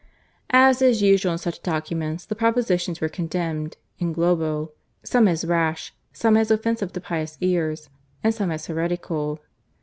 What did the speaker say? As is usual in such documents the propositions were condemned /in globo/, some as rash, some as offensive to pious ears, and some as heretical.